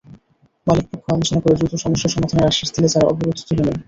মালিকপক্ষ আলোচনা করে দ্রুত সমস্যা সমাধানের আশ্বাস দিলে তাঁরা অবরোধ তুলে নেন।